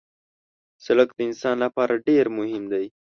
سړک د انسان لپاره ډېر مهم دی.